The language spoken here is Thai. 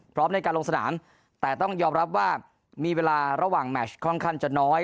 พร้อมในการลงสนามแต่ต้องยอมรับว่ามีเวลาระหว่างแมชค่อนข้างจะน้อย